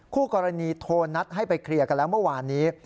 คู่กรณีโทรนัดให้ไปเคลียร์กันแล้วเมื่อวานนี้